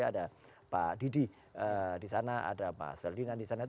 ada pak didi di sana ada mas ferdinand di sana